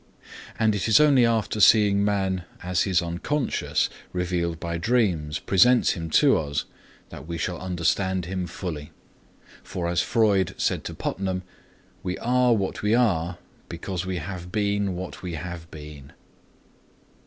And it is only after seeing man as his unconscious, revealed by his dreams, presents him to us that we shall understand him fully. For as Freud said to Putnam: "We are what we are because we have been what we have been."